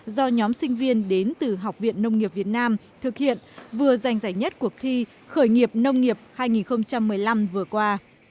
do nhóm sinh viên đến từ học viện nông nghiệp việt nam thực hiện vừa giành giải nhất cuộc thi khởi nghiệp nông nghiệp hai nghìn một mươi năm vừa qua